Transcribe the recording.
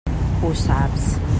Ho saps.